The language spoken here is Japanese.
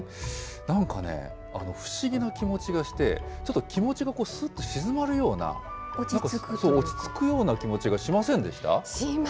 なんかね、不思議な気持ちがして、ちょっと気持ちがすっと静まるような、なんか落ち着くような気持しました。